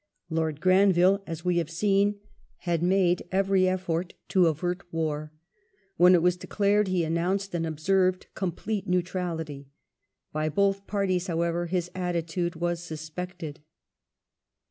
Lord Granville, as we have seen, had made every effort to avert war. When it was declai ed he announced and observed complete neutrality. By both parties, however, his attitude was suspected.